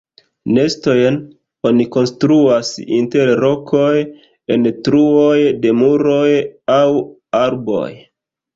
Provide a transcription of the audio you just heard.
Nestojn oni konstruas inter rokoj, en truoj de muroj aŭ arboj.